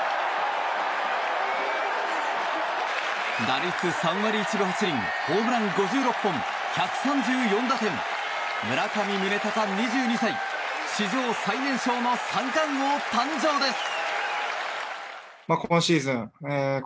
打率３割１分８厘ホームラン５６本、１３３打点村上宗隆、２２歳史上最年少の三冠王誕生です！